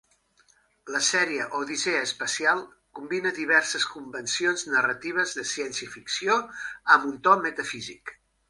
La sèrie "Odissea espacial" combina diverses convencions narratives de ciència-ficció amb un to metafísic.